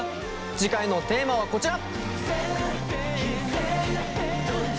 次回のテーマはこちら。